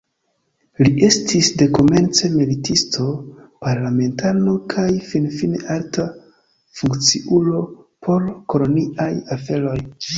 Li estis dekomence militisto, parlamentano kaj finfine alta funkciulo por koloniaj aferoj.